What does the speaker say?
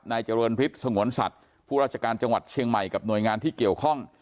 เจริญฤทธิสงวนสัตว์ผู้ราชการจังหวัดเชียงใหม่กับหน่วยงานที่เกี่ยวข้อง